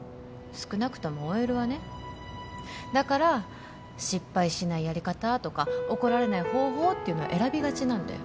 少なくともＯＬはねだから失敗しないやり方とか怒られない方法っていうのを選びがちなんだよ